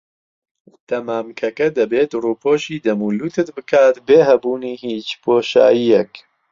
دەمامکەکە دەبێت ڕووپۆشی دەم و لوتت بکات بێ هەبوونی هیچ بۆشاییەک.